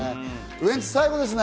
ウエンツ、最後ですね。